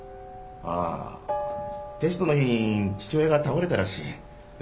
ああテストの日に父親が倒れたらしい。